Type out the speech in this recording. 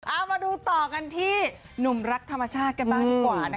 เอามาดูต่อกันที่หนุ่มรักธรรมชาติกันบ้างดีกว่านะคะ